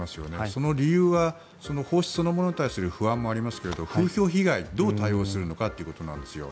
その理由は放出そのものに対する不安もありますけれど風評被害にどう対応するのかということなんです。